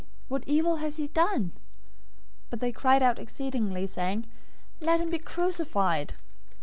What evil has he done?" But they cried out exceedingly, saying, "Let him be crucified!"